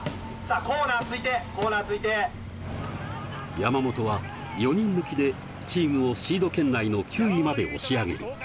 山本は４人抜きでチームをシード圏内の９位まで押し上げる。